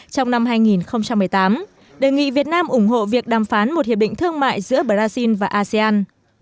trong năm hai nghìn một mươi tám đề nghị việt nam ủng hộ việc đàm phán một hiệp định thương mại giữa brazil và asean